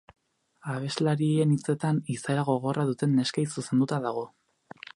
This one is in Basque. Abeslariaren hitzetan, izaera gogorra duten neskei zuzenduta dago.